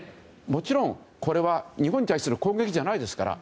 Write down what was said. もちろんこれは日本に対する攻撃じゃないですから。